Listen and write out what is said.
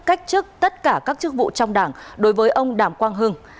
cách chức tất cả các chức vụ trong đảng đối với ông đàm quang hưng